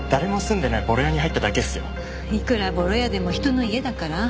いくらボロ家でも人の家だから。